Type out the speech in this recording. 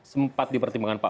sempat dipertimbangkan pak